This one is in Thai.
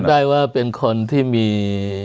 ได้ว่าเป็นคนที่มี